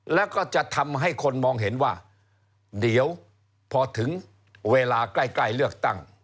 แล้วก็จะทำให้คนมองเห็นว่าเดี๋ยวพอถึงเวลาใกล้เลือกตั้ง